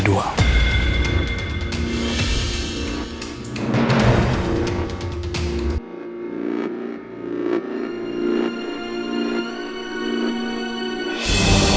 maka gua selalu sulit